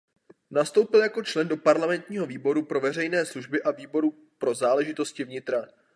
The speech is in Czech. Nastoupil jako člen do parlamentního výboru pro veřejné služby a výboru pro záležitosti vnitra.